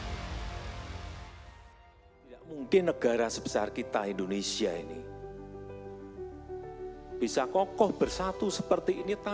tidak mungkin negara sebesar kita indonesia ini bisa kokoh bersatu seperti ini